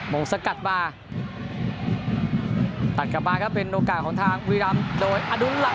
มงสะกัดมากลับมาก็เป็นโอกาสของทางวีรำโดยอดุลหลัก